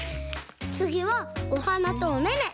つぎはおはなとおめめ。